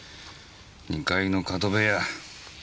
２階の角部屋。